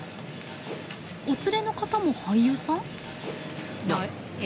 お連れの方も俳優さん？